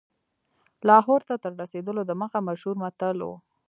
لاهور ته تر رسېدلو دمخه مشهور متل و.